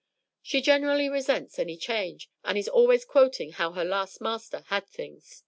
She generally resents any change, and is always quoting how her last master had things.